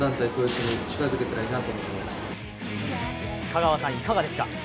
香川さん、いかがですか？